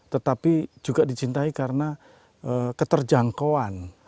tetapi juga dicintai karena keterjangkauan